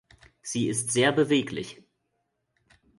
Sie ist sehr beweglich.